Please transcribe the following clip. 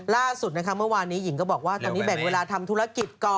ล่าสุดนะคะเมื่อวานนี้หญิงก็บอกว่าตอนนี้แบ่งเวลาทำธุรกิจก่อน